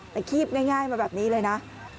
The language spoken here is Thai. แต่คีบง่ายมาแบบนี้เลยนะ